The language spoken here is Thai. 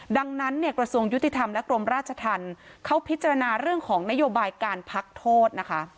ดังนั้นเนี่ยกระทรวงยุติธรรมและกรมราชธรรมเขาพิจารณาเรื่องของนโยบายการพักโทษนะคะ